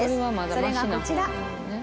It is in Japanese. それがこちら。